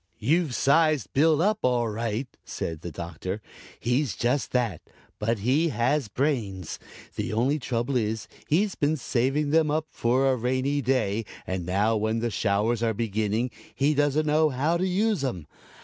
"You've sized Bill up all right," said the Doctor. "He is just that, but he has brains. The only trouble is he's been saving them up for a rainy day and now when the showers are beginning he doesn't know how to use 'em.